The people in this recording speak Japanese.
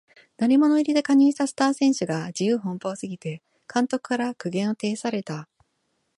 鳴り物入りで加入したスター選手が自由奔放すぎて監督から苦言を呈された